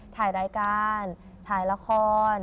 ถ่ายรายการถ่ายละคร